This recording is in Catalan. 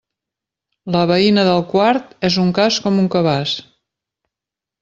La veïna del quart és un cas com un cabàs.